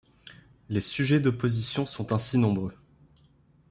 Les sujets d'opposition sont ainsi nombreux.